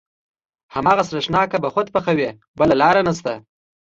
هماغه سرېښناکه به خود پخوې بله لاره نشته.